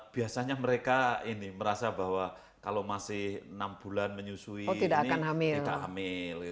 biasanya mereka ini merasa bahwa kalau masih enam bulan menyusui ini tidak hamil